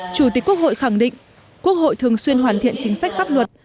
chủ tịch quốc hội khẳng định quốc hội thường xuyên hoàn thiện chính sách pháp luật